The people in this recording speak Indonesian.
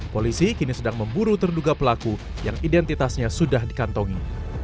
polisi kini sedang memburu terduga pelaku yang identitasnya sudah dikantongi